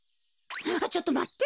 ちょっとまって。